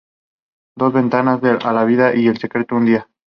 Dos Ventanas a la vida y El Secreto, un día.